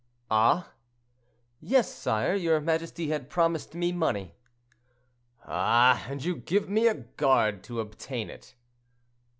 "Ah!" "Yes, sire; your majesty had promised me money." "Ah! and you give me a guard to obtain it."